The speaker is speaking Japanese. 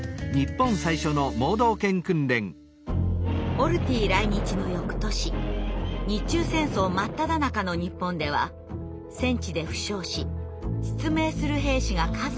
オルティ来日の翌年日中戦争真っただ中の日本では戦地で負傷し失明する兵士が数多くいました。